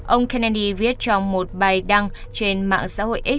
ông kennedy viết trong một bài đăng trên mạng xã hội